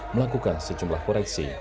melakukan sejumlah koreksi